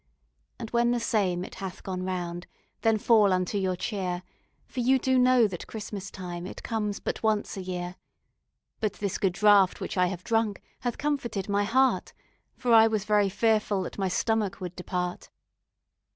And when the same it hath gone round Then fall unto your cheer, For you do know that Christmas time It comes but once a year. But this good draught which I have drunk Hath comforted my heart, For I was very fearful that My stomach would depart.